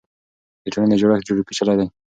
د ټولنې جوړښت ډېر پېچلی دی.